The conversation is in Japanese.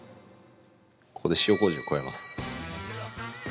◆ここで塩こうじを加えます。